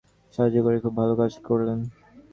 একজন বিরক্তিকর পঙ্গু লোককে সাহায্য করে খুব ভালো কাজ করলেন।